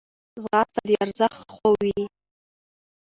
ځغاسته د وخت ارزښت ښووي